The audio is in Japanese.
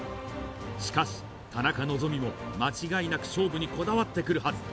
しかし田中希実も間違いなく勝負にこだわってくるはず